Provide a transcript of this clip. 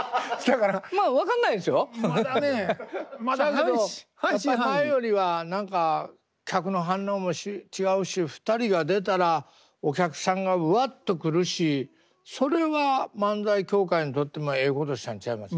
そやけど前よりは何か客の反応も違うし２人が出たらお客さんがわっと来るしそれは漫才協会にとってもええことしたんちゃいます？